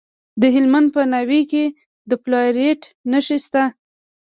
د هلمند په ناوې کې د فلورایټ نښې شته.